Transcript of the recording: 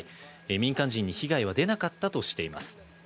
民間人に被害は出なかったとしています。